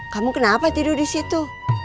kamu kenapa tidur di situ